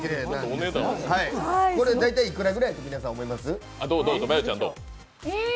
これは大体いくらぐらいと皆さん思います？